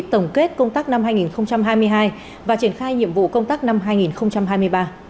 tổng kết công tác năm hai nghìn hai mươi hai và triển khai nhiệm vụ công tác năm hai nghìn hai mươi ba